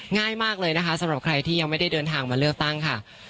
ง่ายมากเลยนะคะสำหรับใครที่ยังไม่ได้เดินทางมาเลือกตั้งค่ะ